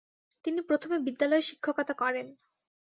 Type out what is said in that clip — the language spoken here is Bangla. তিনি প্রথমে বিদ্যালয়ে শিক্ষকতা করেন।